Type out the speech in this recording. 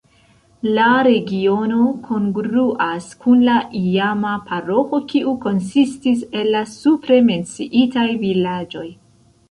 La regiono kongruas kun la iama paroĥo, kiu konsistis el la supre menciitaj vilaĝoj.